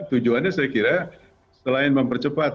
tujuannya saya kira selain mempercepat